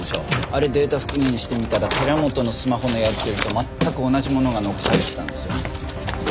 あれデータ復元してみたら寺本のスマホのやり取りと全く同じものが残されていたんですよ。